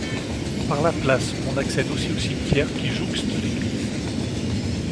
Par la place, on accède aussi au cimetière qui jouxte l'église.